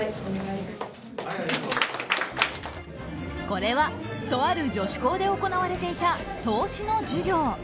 これは、とある女子高で行われていた投資の授業。